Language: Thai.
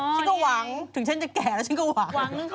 ฉันก็หวังถึงฉันจะแก่แล้วฉันก็หวัง